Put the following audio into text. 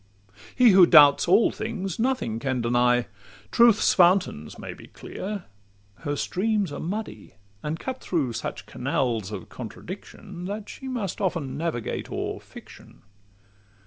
He who doubts all things nothing can deny: Truth's fountains may be clear—her streams are muddy, And cut through such canals of contradiction, That she must often navigate o'er fiction.